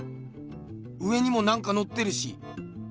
上にもなんかのってるし。